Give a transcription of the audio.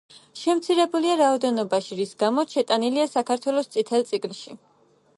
შემცირებულია რაოდენობაში, რის გამოც შეტანილია საქართველოს „წითელ წიგნებში“.